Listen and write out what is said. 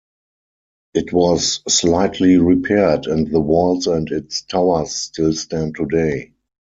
It was slightly repaired and the walls and its towers still stand today.